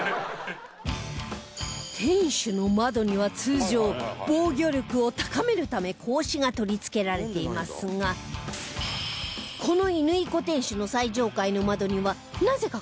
天守の窓には通常防御力を高めるため格子が取り付けられていますがこの乾小天守の最上階の窓にはなぜか格子がありません